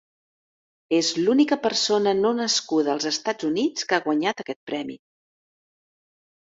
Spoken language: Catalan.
És l'única persona no nascuda als Estats Units que ha guanyat aquest premi.